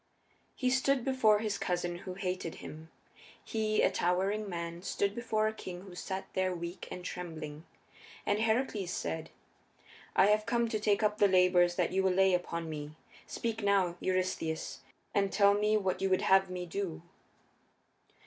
He stood before his cousin who hated him; he, a towering man, stood before a king who sat there weak and trembling. And Heracles said, "I have come to take up the labors that you will lay upon me; speak now, Eurystheus, and tell me what you would have me do."